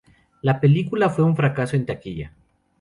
La película fue un fracaso en taquilla.